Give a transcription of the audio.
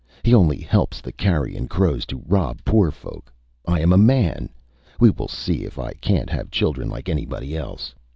he only helps the carrion crows to rob poor folk. I am a man. ... We will see if I canÂt have children like anybody else